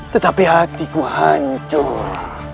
tetapi hatiku hancur